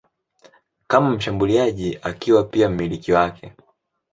kama mshambuliaji akiwa pia mmiliki wake.